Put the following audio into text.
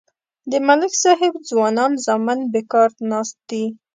د ملک صاحب ځوانان زامن بیکار ناست دي.